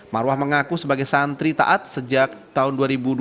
marwah mengaku sebagai santri taat sejak tahun dua ribu dua belas